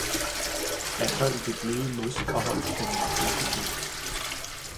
jeg sad i det bløde Mos, og holdt paa min Pølsepind.